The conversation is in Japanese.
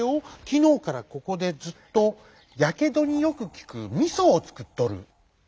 きのうからここでずっとやけどによくきくみそをつくっとる」。